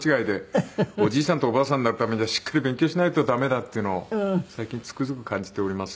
おじいさんとおばあさんになるためにはしっかり勉強しないと駄目だっていうのを最近つくづく感じております。